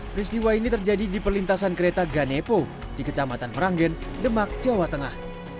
peristiwa ini terjadi di perlintasan kereta ganepo di kecamatan meranggen demak jawa tengah